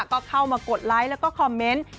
ก็เข้ามากดไลค์แล้วก็คอมเมนต์